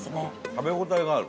食べ応えがある。